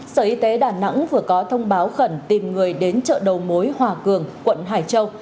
sở y tế đà nẵng vừa có thông báo khẩn tìm người đến chợ đầu mối hòa cường quận hải châu